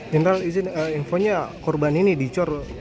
general infonya korban ini dicor